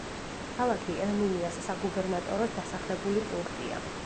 ქალაქი ელ-მინიას საგუბერნატოროს დასახლებული პუნქტია.